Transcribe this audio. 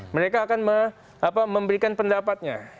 mereka akan memberikan pendapatnya